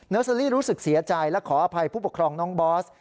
เซอรี่รู้สึกเสียใจและขออภัยผู้ปกครองน้องบอส